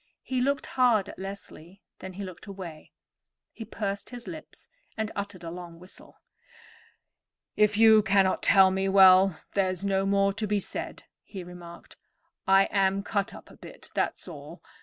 He looked hard at Leslie, then he looked away. He pursed up his lips and uttered a long whistle. "If you cannot tell me, well, there's no more to be said," he remarked. "I am cut up a bit, that's all.